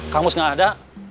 kang mus nggak ada